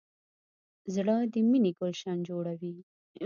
زړه د مینې ګلشن جوړوي.